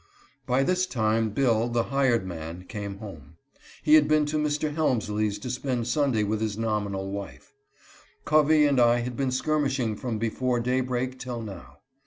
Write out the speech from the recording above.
By this time Bill, the hired man, came home. He had been to Mr. Helmsley's to spend Sunday with his nomi nal wife. Covey and I had been skirmishing from before daybreak till now.